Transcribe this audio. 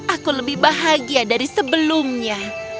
aku lebih bahagia dari sebelumnya